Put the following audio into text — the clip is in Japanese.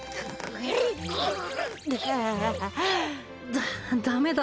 ダダメだ。